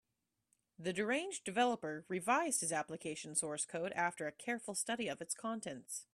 The deranged developer revised his application source code after a careful study of its contents.